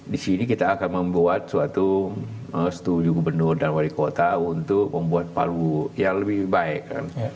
di sini kita akan membuat suatu studio gubernur dan wali kota untuk membuat palu yang lebih baik